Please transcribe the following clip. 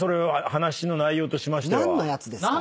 話の内容としましては。